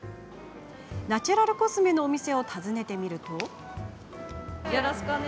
ナチュラルコスメのお店を訪ねてみると。